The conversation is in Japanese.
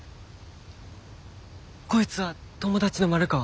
こいつは友達の丸川。